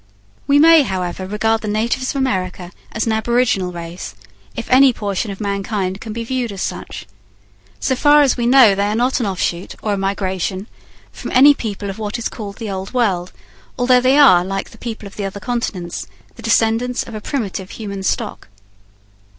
We may, however, regard the natives of America as an aboriginal race, if any portion of mankind can be viewed as such. So far as we know, they are not an offshoot, or a migration, from any people of what is called the Old World, although they are, like the people of the other continents, the descendants of a primitive human stock.